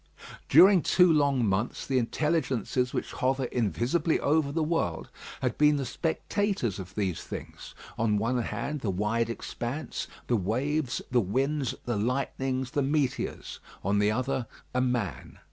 During two long months the intelligences which hover invisibly over the world had been the spectators of these things; on one hand the wide expanse, the waves, the winds, the lightnings, the meteors; on the other a man.